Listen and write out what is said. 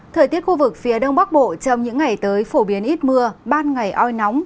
thời tiết khu vực phía đông bắc bộ trong những ngày tới phổ biến ít mưa ban ngày oi nóng